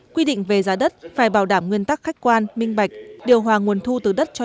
quy định về giá đất phải bảo đảm nguyên tắc khách quan minh bạch điều hòa nguồn thu từ đất cho